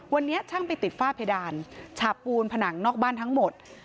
วันนี้ช่างไปติดฝ้าเพดานฉาบปูนผนังนอกบ้านทั้งหมด